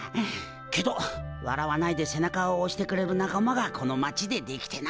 けど笑わないで背中をおしてくれる仲間がこの町でできてな。